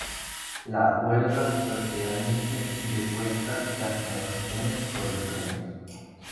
La huelga fue finalmente depuesta tras negociaciones con los gremios.